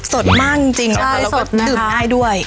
สดมากจริงจริงใช่สดนะคะแล้วก็ดื่มให้ด้วย